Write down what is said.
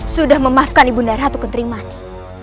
sudah memaafkan ibu naratu kenterimani